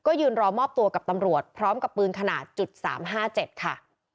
ยืนรอมอบตัวกับตำรวจพร้อมกับปืนขนาด๓๕๗ค่ะ